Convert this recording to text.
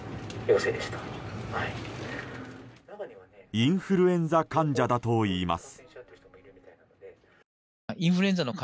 インフルエンザ患者だといいます。